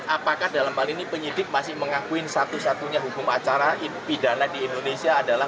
apakah dalam hal ini penyidik masih mengakuin satu satunya hukum acara pidana di indonesia adalah